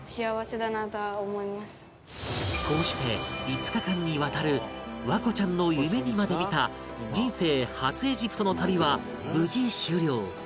こうして５日間にわたる環子ちゃんの夢にまで見た人生初エジプトの旅は無事終了